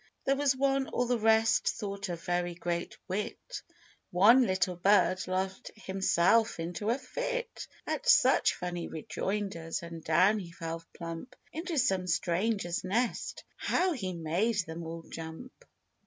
There was one all the rest thought a very great wit; One little bird laughed himself into a tit At such funny rejoinders ; and down he fell plump Into some stranger's nest ! flow he made them all jump